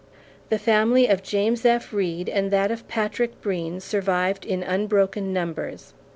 The family of James F. Reed and that of Patrick Breen survived in unbroken numbers.